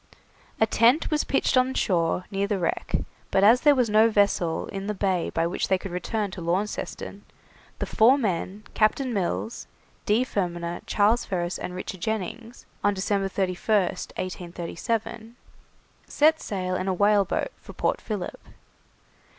A tent was pitched on shore near the wreck, but as there was no vessel in the bay by which they could return to Launceston, the four men, Captain Mills, D. Fermaner, Charles Ferris, and Richard Jennings, on December 31st, 1837, set sail in a whaleboat for Port Philip.